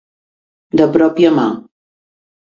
De pròpia mà.